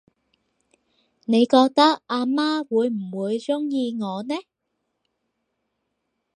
你覺得阿媽會唔會鍾意我呢？